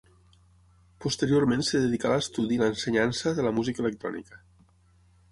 Posteriorment es dedicà a l'estudi i l'ensenyança de la Música electrònica.